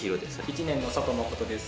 １年の佐藤睦です